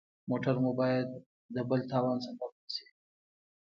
موټر مو باید د بل تاوان سبب نه شي.